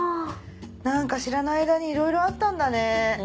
何か知らない間にいろいろあったんだね。